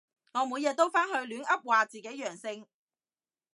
我每日都返去亂噏話自己陽性